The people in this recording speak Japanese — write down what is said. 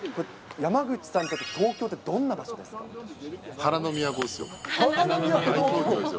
山口さんにとって東京ってど花の都ですよ。